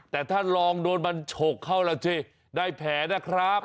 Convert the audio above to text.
แต่ถ้าลองโดนมันฉกเข้าล่ะสิได้แผลนะครับ